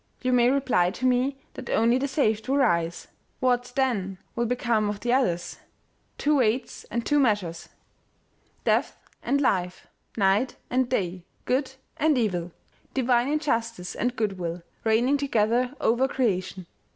You may reply to me, that only the saved will rise ! What, then, will become of the others ? Two weights and two measures ! Death 128 OMEGA. and life ! Night and day, good and evil ! Divine injus tice and good will, reigning together over creation